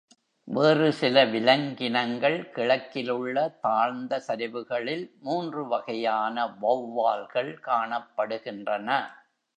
வேறு சில விலங்கினங்கள் கிழக்கிலுள்ள தாழ்ந்த சரிவுகளில் மூன்று வகையான வௌவால்கள் காணப்படுகின்றன.